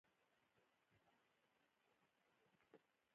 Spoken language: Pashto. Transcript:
د شینډنډ هوايي ډګر لوی دی